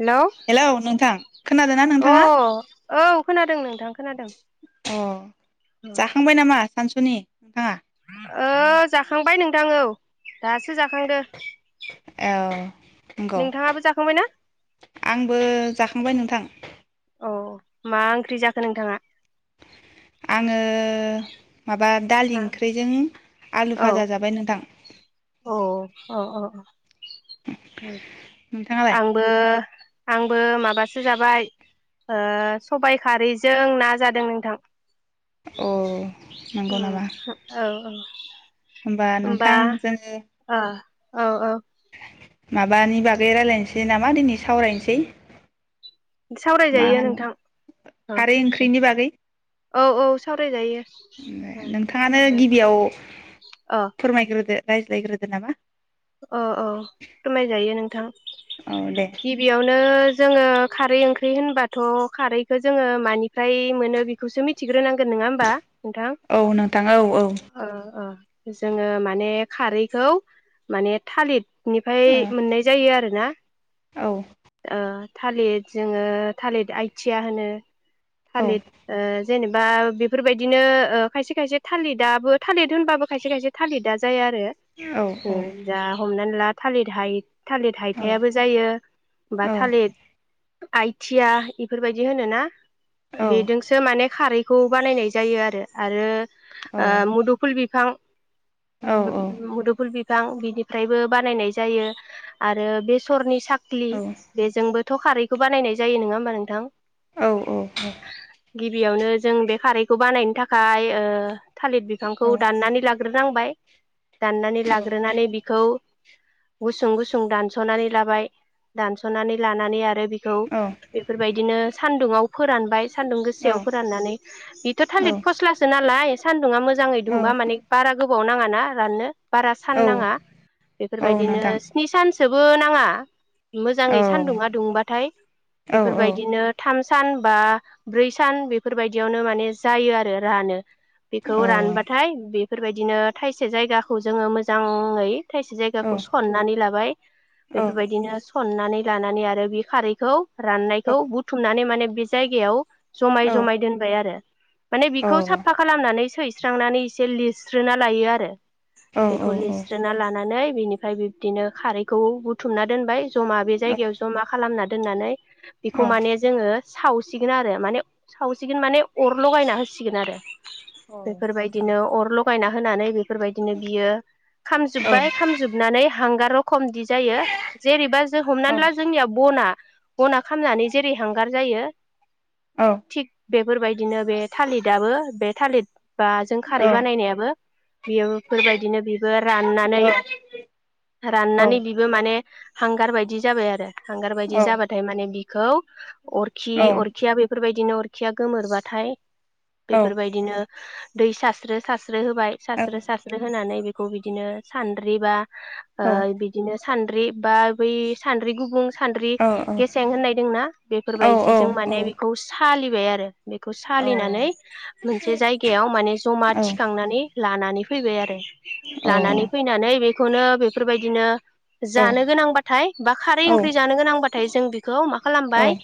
Hello hello नोंथां खोनादों ना अ नोंथाङा? औ खोनादों नोंथां खोनादों अ जाखांबाय नामा सानसुनि नोंथाङा उम ओ जाखांबाय नोंथां औ दासो जाखांदो औ नंगौ नोंथाङाबो जाखांबाय ना आंबो जाखांबाय नोंथां औ मा ओंख्रि जाखो नोंथाङा आङो माबा दालि औ ओंख्रिजों आलु भाजा जाबाय नोंथां अ अ अ अ उम नोंथाङालाय आंबो आंबो माबासो जाबाय ओ सबाय खारैजों ना जादों नोंथां औ नंगौ उम नामा औ औ होमबा नोंथां जोङो ओ औ औ माबानि बागै रायलायनोसै नामा दिनै सावरायनोसै मा सावरायजायो होनो नोंथां खारै ओंख्रिनि बागै औ औ सावरायजायो नोंथाङानो अ गिबियाव अ फोरमायग्रोदो रायज्लायग्रोदो नामा औ औ फोरमायजायो नोंथां औ दे गिबियावनो जोङो खारै ओंख्रि होनबाथ' खारैखौ जोङो मानिफ्राय मोनो बेखौसो मिथिग्रोनांगौ गोन नङा होमबा नोंथां औ नोंथां औ ओ ओ जोङो माने खारैखौ माने थालिर औ इनिफाय मोननाय जायो आरो ना औ ओ थालिर जोङो थालिर आइथिया होनो औ थालिट ओ जेनेबा बेफोरबायदिनो ओ खायसे खायसे थालिदाबो थालिद होनबाबो खायसे खायसे थालिदा जाया आरो औ जो जा हमनानै होमब्ला थालिद हाय थालिद हायथायाबो जायो बा थालिद आइटिया इफोरबायदि होनोना बेदोंसो माने खारै बेखौ बानायनाय जायो आरो आरो ओ मुदुफुल बिफां मुदुफुल बि बिफां बिनिफ्रायबो बानायनाय जायो आरो बेसरनि स फ्लि बेजोंबो थ' खारैखौ बानायनाय जायो नङा होमबा नोंथां गिबियावनो जों बे खारैखौ बानायनो थाखाय ओ थालिर बिफांखौ दाननानै लागोन ग्रोरोनांबाय दाननानै लागोन ग्रोनानै बिखौ गुसुं गुसुं दानस'नानै लाबाय दानस'नानै लानानै आरो आरो बेखौ बेफोरबायदिनो सान्दुङाव फोरानबाय सान्दुं गोसायाव फोराननानै बेथ' थालिर फस्लासो नालाय सानदुङा मोजां मोजाङै दुंबा माने बारा गोब गोबाव नाङा ना राननो बा सान औ नाङा औ बेफोरबायदिनो नोंथां स्नि सान सोबो नाङा औ मोजाङै सान्दुंआ दुंबाथाय औ औ औ बेफोरबायदिनो थाम सान बा ब्रै सान बेफोरबायदियावनो माने जायो आरो रानो बेखौ औ औ रानबाथाय बे बेफोरबायदिनो थायसे जायगाखौ जोङो मो मोजाङै थाइसे औ जायगाखौ सननानै लाबाय बेफोरबायदिनो सननानै लानानै आरो बे खारैखौ राननायखौ बुथुमनानै माने बे जायगायावायाव जमाय जमाय दोनबाय आरो माने बेखौ साफा औ खालामनानै सै सुस्रांनानै एसे लिरस्रोना लायो आरो बेखौ लिरस्रोना लानानै बिनिफ्राय बिब्दिनो खारैखौ बुथुमना दोनबाय जमा बे जायगायाव ज'मा खालामनानै दोननानै बेखौ माने जोङो सावसिगोन आरो माने सावसिगोन माने अर लगायना होसिगोन आरो बेफोरबायदिनो अर लगायना होनानै बेफोरबायदिनो बियो खामजोबबाय खामजोबनानै हांगाराव खमदि जायो जेरैबा जों हमनानै ला जोंनिया बना बना खामनानै जेरै हांगार जायो थिक बेफोरबायदिनो बे थालिदाबो बे थालिद बा जों खारै बानायनायाबो बेयोफोर बायदिनो बि बो राननानै राननानै बिबो माने बे हांगार बायदि जाबाय आरो। हांगार बायदि जाबाथाय माने बिखौ अरखि अरखिया बेफोरबायदि बिदिनो अरखिया गोमोरबाथाय बेफोरबायदिनो दै सास्रो सास्रो स्रो होबाय सासस्रो सासस्रो होनानै बि खौ बिदिनो सान्द्रिबा ओ बिदिनो सानद्रि बा बै सानद्रि गुबुं सान्द्रि गेसें होननायदोंना बेफोरबायदि जों माने बेखौ सालि बे आरो। बेखौ सालिनानै मोनसे जायगायाव माने जमा थिखांनानै लानानै फैबाय आरो लानानै फैनानै बे खौनो बेफोर बायदिनो जानो गोनांबाथाय बा खारै ओंख्रि जानो गोनांबा थायजों बि खौ मा खालामबाय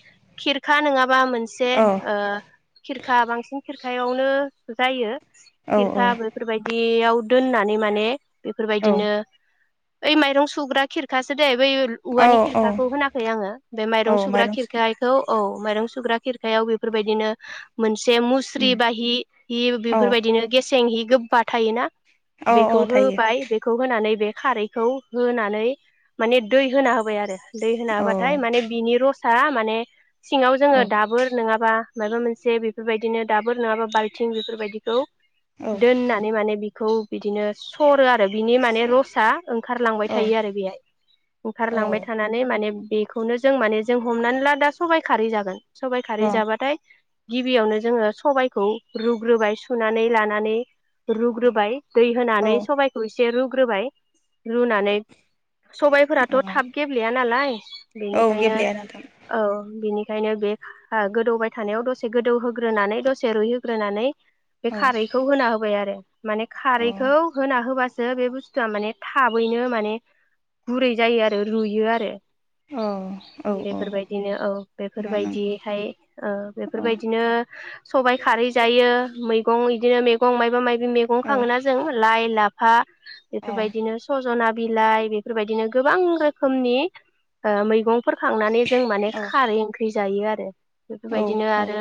खिर खा नङा बा मोनसे औ औ ओ खिरखा बांसिन खिरखायावनो जायो औ खिरखा बेफोर बायदि एआव दोनना ऐ माने औ बेफोरबायदिनो ओइ माइरं सुग्रा खिरखासो जे बै औ औवानि औ खिरखाखौ होनाखै आङो बे माइरं सुग्रा खिरखा इखौ औ माइरं सुग्रा खिरखायाव बेफोरबायदिनो मोन से मुस्रि उम बा हि हि औ बेफोरबायदिनो गेसें हि गोबा थायोना औ बेखौ औ थायो होबाय बेखौ होनानै बे खारैखौ होनानै माने दै होना होबाय आरो दै होन औ हाबाथाय माने बिनि रस सा माने सिङाव जोङो औ दाबोर नोङाबा माइबा मोनसे बेफोरबायदिनो दाबोर नङाबा बाल्थिं बेफोरबायदिखौ औ दोननानै माने बि खौ बिदिनो सरो आरो बिनि माने रसा ओंखारलांबाय औ थायो आरो बेहाय ओंखारलांबाय थानानै माने बेखौनो जों माने जों हमनानै ला दा सबबाय खारै जागोन सबाइ खारै जाबाथाय गिबियावनो जोङो सबायखौ रुग्रोबाय सुनानै लानानै रुग्रोबाय दै होनानै औ सबायखौ एस से रुग्रोबाय रुनानै सबायफोराथ' औ थाब गेब्लेया नालाय औ बेनिखायनो गेब्लेया नोंथां औ बिनि ओंखायनो बे ओ गोदौबाय थानायाव दसे गोदौहोग्रोनानै दसे रुइहो ग्रोनानै बे औ खारैखौ होना होबाय आरो माने औ खारैखौ होना होबासो बे बुस्थुआ माने थाबैनो माने गुरै जायो आरो रुयो आरो औ औ औ बेफोरबायदिनो औ नों बेफोरबायदियैहाय ओ औ बेफोरबायदिनो सबाय खारै जायो मैगं बिदिनो मेगं माइबा माइबि औ खाङोना जों लाइ लाफ फा बेफोरबायदिनो सजना बिलाइ बेफोर बायदिनो गोबां रोखोमनि मैगं फोर खांनानै जों माने औ खारै ओंख्रि जायो आरो बेफोर औ बायदिनो आरो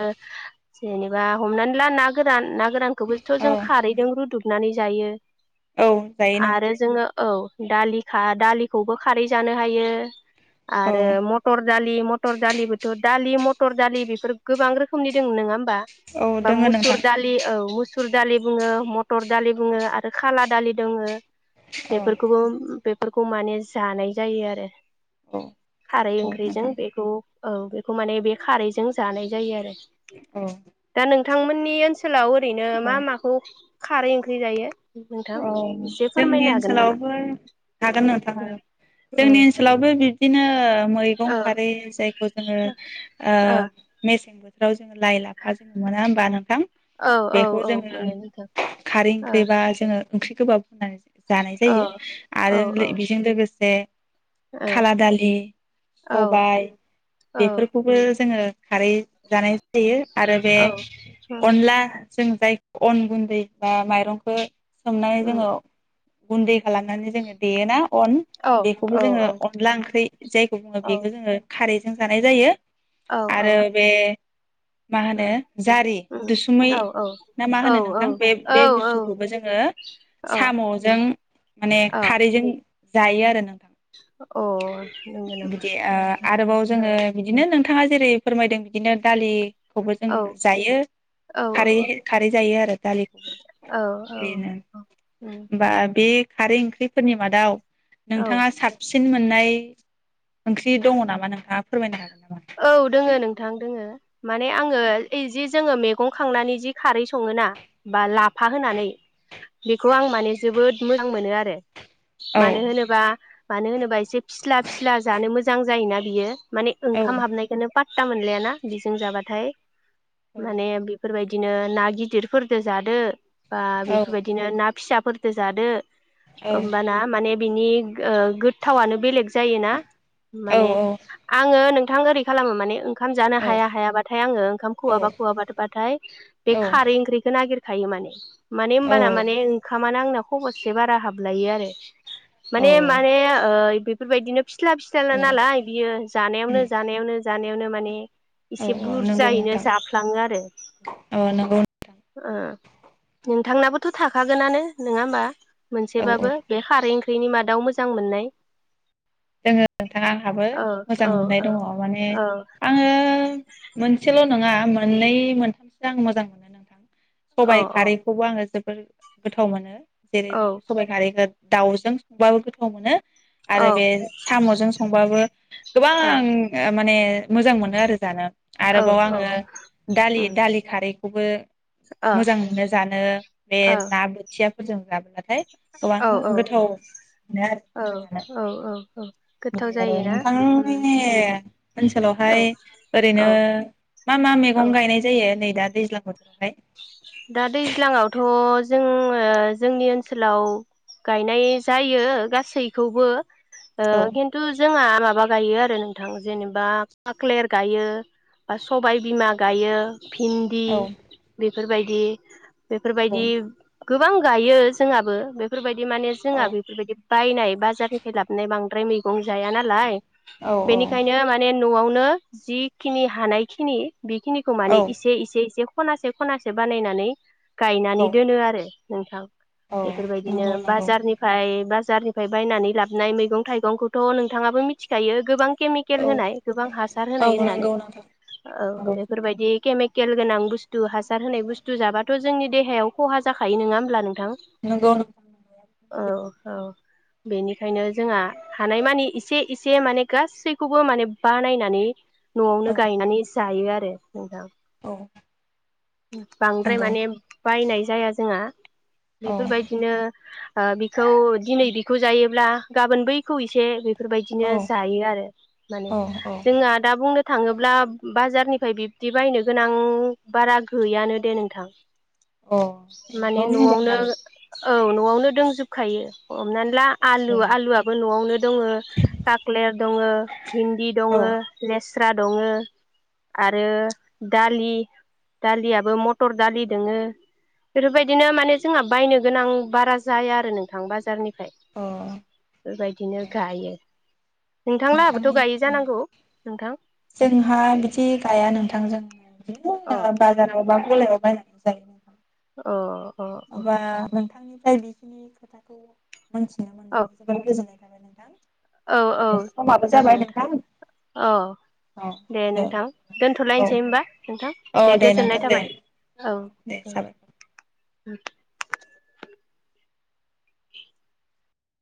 जेनेबा हमनानै ला ना गोरान ना गोरानखौबोथ जों खारैदों रुदुब नानै जायो औ जायो नोंथां आरो जोङो औ दालि खा दालिखौबो खारै जानो हायो औ आरो मटर दालि मटर दालिबोथ दालि लि मटर दालि बेफोर गोबां रोखोमनि दङ नङा बा औ बा दोङो मुसुर नोंथां दालि औ मुसु सुर दालि बुङो मत- टर दालि बुङो आरो खाला दालि दङो औ बेफोरखौबो बेफोरखौ माने जानाय जायो आरो औ खारै नंगौ ओंख्रिजों नोंथां बेखौ औ बेखौ माने बे खारैजों जानाय जायो आरो औ थांमोननि ओनसो सोलाव ओरैनो मा औ माखौ खारै ओंख्रि जायो नोंथां अ एसे जोंनि फोरमायनो हागोन नामा ओनसोलावबो हागोन नोंथां हागोन औ जोंनि ओनसोलावबो बि बिनो मैगं खारै जायखौ जोङो ओ औ मेसें बोथोराव थोराव जोङो लाइ लाफा जोङो मोना होनबा नोंथां औ औ बेखौ औ जोङो मोनो नोंथां खारै ओ ओंख्रि बा जोङो ओंख्रि गोबाब होननानै जोङो जानाय जायो औ औ आरो औ बेजों लोगोसे ओ खाला दालि औ सबाय औ बेफोरखौबो जोङो खारै जानाय जायो आरो बे औ उम अनला जों जाय अन गुन्दै बा माइरंखो सोमनाय उम जोङो गुन्दै खालामनानै जोङो देयोना अन औ औ बेखौबो जोङो अनला ओंख्रि जायखौ बुङो औ बेखौ जोङो खारै जों जानाय जायो औ औ आरो बे मा होनो उम उम औ औ औ औ ओ अ साम'जों माने अ खारैजों जायो आरो नों अ नंगौ नामा बिदि ओ आरोबाव ओ ओ जोङो बिदिनो नोंथाङा जेरै फोरमायदों बिदिनो दालि खौबो जों ओ जायो ओ ओ खारै औ खारै जायो आरो दालिखौबो औ औ बेनो औ उम बा बे खारै इंख्रि फोरनि मादाव औ नोंथाङा साबसिन बांसिन मोननाय ओंख्रि दङ नामा नोंथाङा फोरमायनो हागोन नामा? औ दोङो नोंथां दोङो माने आङो ओइ जि जोङो मैगं खांनानै जि खारै सङोना बा लाफा होनानै बेखौ आं माने जोबोद मोजां मोनो आरो औ मानो होनोबा मानो होनोबा एसे फिस्ला फिस्ला जानो मोजां जायोना बियो माने औ खाम हाबनायखौनो ता मोनलायाना बेजों जाबाथाय औ माने बेफोरबायदि बिदिनो ना गिदिरफोरजों जादो बा औ बेफोरबायदिनो ना फिसाफोरदो जादो औ होमबाना माने बिनि ओ गोथावनो बेलेग जायोना माने औ औ आङो नों बिथां ओरै खालामो माने ओंखाम जानो औ हाया हायाबाथाय आङो ओंखाम खुवाबा खुवाब बाथाय बे खारै ओख्रिखौ नागिर खायो माने माने होनोमबाना माने औ ओंखामाना आंनाव खबरसे बारा हाबलायो आरो औ माने माने ओइ बेफोरबायदिनो फिस्ला फिस्लाला औ नालाय बियो जानायावनो जानायावनो माने एसे औ नंगौ बुरजायैनो नोंथां जाफ्लाङो आरो औ नंगौ नोंथां ओ नोंथांनाबोथ थाखागोनानो नङा होमबा औ औ मोनसेबाबो बे खारै ओंख्रिनि मादाव मोजां मोननाय दोङो नोंथां आंहाबो औ मोजां औ मोननाय औ दङ माने औ आङो मोनसेल नङा मोननै मोनथामसो आं मोजां मोनो नोंथां सबाइ औ खारैखौबो आङो जोब फोर गोथाव मोनो जेरै औ जों सबाय खारै गोन दाउजों संबाबो गोथाव मोनो आरो बे सामजों संबाबो गोबां औ माने मोजां मोनो आरो जानो औ आरोबाव औ आङो दालि उम दालि खारैखौबो मोजां मोनो जानो बे ना बोथिया फोरजों दाब दाब नाथाय गोबां ओ औ गोथाव मोनो आरो ना औ जानो औ औ गोथाव बिदि आरो जायोना उम नोंथांनि उम औ ओनसोलावहाय ओरैनो औ मा मा औ मैगं गायनाय जायो ने नै दा दैज्लां बोथोर दा दैज्लांआवथ जोंङो जोंनि ओनसोलाव गायनाय जायो गासैखौबो ओ औ खिन्थु जोंङा माबाख जायो आरो नोंथां जेनेबा खाख्लेर गायो बा सबाय बिमा गायो भिन्दि औ बेफोरबायदि बेफोरबायदि औ गोबां गायो जोंहाबो बेफोरबायदि बिदि माने जोंङा औ बेफोरबायदि बायनाय बाजारनिफ्राय लाबोनाय बांद्राय मैगं जाया नालाय बेनिखायनो माने न'आवनो जिखिनि हानायखिनि बेखिनिखौ औ माने इसे इसे इसे खनासे खनासे बानायनानै औ गायनानै दोनो आरो नोथां औ बेफोरबायदिनो नंगौ नंगौ बाजारनिफ्राय बाजा बाजारनिफ्राय बायनानै लाबोननाय मैगं थाइगंखौथ नोंथाङाबो मिथिखायो गोबां केमिकेल औ होनाय गोबां हासार औ होनाय होननानै नंगौ नोंथां औ नंगौ सैथो बेफोरबायदि केेल गोन बुसथु तु हासार होनाय बुस्थु जाब्लााथ' जोंनि देहायाव खहा जाखायो नङा होमब्ला नोंथां नंगौ नोंथां थां सैथो औ औ बेनिखायनो जोंहा हानायमानि इसे इसे माने गासैखौबो माने बानायनानै न'आवनो औ गायनानै जायो आरो दे नोंथां औ बांद्राय नंगौ माने बायनाय जाया जोंआ औ बेफोरबायदिनो ओ बिखौ दिनै बिखौ जायोब्ला गाबोन बैखौ एसे बेफोरबायदिनो औ जायो आरो माने औ औ जोंहा दा बुंनो थाङोब्ला बाजारनिफ्राय बिब्दि बायनो गोनां बारा गैयानो दे नोंथां अ माने एकदम मोजां न'आवनो आरो औ न'आवनो दोंजोबखायो हमनानै ला आलु औ आलुआबो न'आवनो दङो कक्लेर दङो भिन्दि दङ औ लेस स्रा दङ औ आरो दालि दालियाबो मटर दालि दोङो बेफोरबायदिनो माने जोंहा बायनो गोनां बारा जाया आरो नोंथां बाजारनि फ्राय अ बेबायदिनो गायो नोंथां लाहाबोथ' नोंथांनि गायो औ जानांगौ नोंथां जोंहा बिदि गाया नोंथांजोंनो अ बाजारावाबा गलायाव बायनानै जायो। अ अ ओमबा नोंथांनि मफ्राय बिखिनि खोथाखौ मोनथिनो औ मोननानै जोबोद गोजोननाय य नोंथां औ औ समाबो जागोन जाबाय नोंथां औ दे नोंथां औ दोनथलायनोसै दे होनबा नोंथां औ दे गोजोननाय नोंथां दे थाबाय औ आ दे साबायखर [unintelligible]